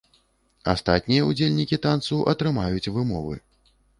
Астатнія ўдзельнікі танцу атрымаюць вымовы.